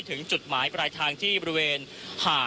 คุณทัศนาควดทองเลยค่ะ